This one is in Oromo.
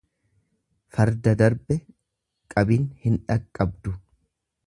Farda darbe qabin hin dhaqqabdu.